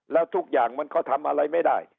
แล้วทุกอย่างมันก็ทำอะไรไม่ได้